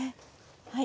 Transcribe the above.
はい。